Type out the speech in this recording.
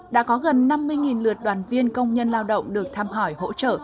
đã có gần năm mươi lượt đoàn viên công nhân lao động được thăm hỏi hỗ trợ